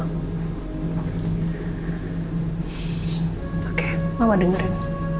oke mama dengerin